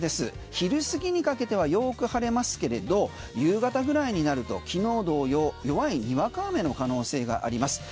昼過ぎにかけてはよく晴れますけれど夕方ぐらいになると、昨日同様弱いにわか雨の可能性があります。